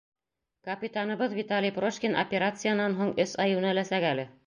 Капитаныбыҙ Виталий Прошкин операциянан һуң өс ай йүнәләсәк әле.